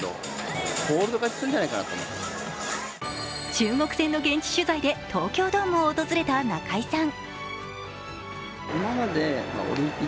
中国戦の現地取材で東京ドームを訪れた中居さん。